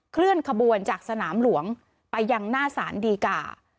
เคลื่อนขบวนจากสนามหลวงไปยังหน้าสารดีกา